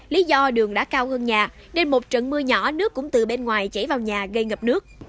lý do đường đã cao hơn nhà nên một trận mưa nhỏ nước cũng từ bên ngoài chảy vào nhà gây ngập nước